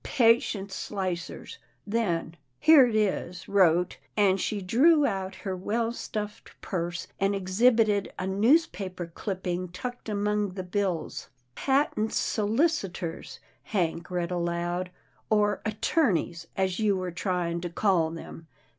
" Patient slicers, then — here it is, wrote," and she drew out her well stuffed purse, and exhibited a newspaper clipping tucked among the bills. " Patent solicitors," Hank read aloud, " or attor neys, as you were trying to call them.